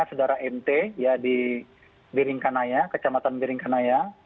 sedara mt di biring kanaya kecamatan biring kanaya